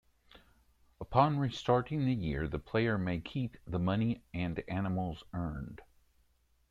Upon restarting the year the player may keep the money and animals earned.